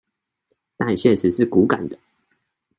但現實是骨感的